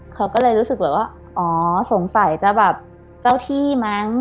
เขาก็เลยรู้สึกแบบว่าอ๋อสงสัยจะแบบเจ้าที่มั้ง